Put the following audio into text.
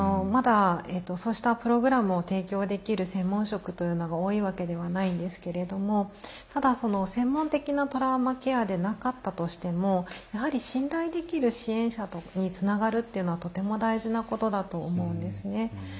まだそうしたプログラムを提供できる専門職というのが多いわけではないんですけれどもただ専門的なトラウマケアでなかったとしてもやはり信頼できる支援者につながるっていうのはとても大事なことだと思うんですね。